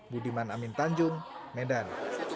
budiman amin tanjung medan